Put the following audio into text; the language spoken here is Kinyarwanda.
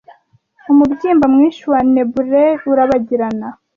umubyimba mwinshi wa nebulae urabagirana